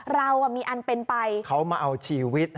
เรามีอันเป็นไปเขามาเอาชีวิต